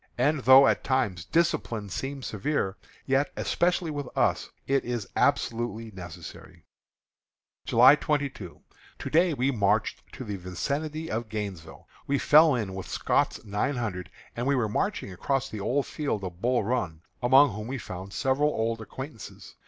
And though at times discipline seems severe, yet, especially with us, it is absolutely necessary. July 22. To day we marched to the vicinity of Gainesville. We fell in with Scott's Nine Hundred as we were marching across the old field of Bull Run, among whom we found several old acquaintances.